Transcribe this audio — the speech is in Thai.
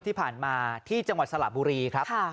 ที่ผ่านมาที่จังหวัดสระบุรีครับ